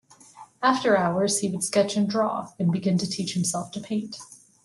After hours, he would sketch and draw, and began to teach himself to paint.